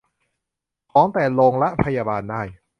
ของแต่ละโรงพยาบาลได้